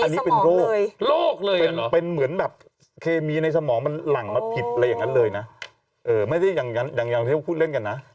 ไม่เหมือนกันนะคำวิตกกังวลถึงที่เราพูดเล่นกัน